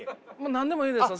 何でもいいですよ。